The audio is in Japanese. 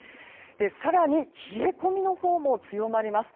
更に、冷え込みのほうも強まります。